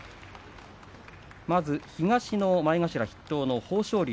まず東の前頭筆頭の豊昇龍。